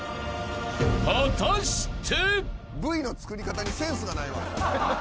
［果たして！？］